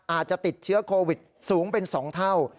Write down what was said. อาจจะติดเชื้อโควิดสูงเป็น๒เท่า